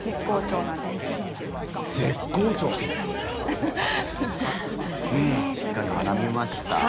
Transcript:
うん、しっかり学びました。